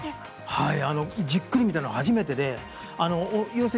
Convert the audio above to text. じっくり見たのは初めてです。